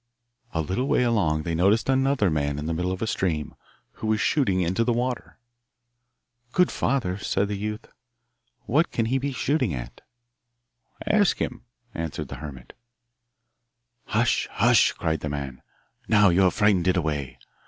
A little way along they noticed another man in the middle of a stream, who was shooting into the water. 'Good father,' said the youth, 'what can he be shooting at?' 'Ask him,' answered the hermit. 'Hush, hush!' cried the man; 'now you have frightened it away.